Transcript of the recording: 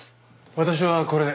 私はこれで。